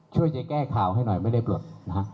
ช่วยจะแก้ข่าวให้หน่อยไม่ได้ปลดนะฮะ